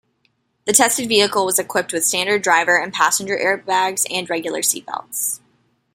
The tested vehicle was equipped with standard driver and passenger airbags and regular seatbelts.